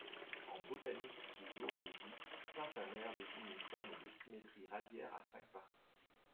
En botanique ou zoologie, pentamère désigne une forme de symétrie radiaire à cinq parties.